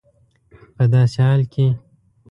په داسي حال کي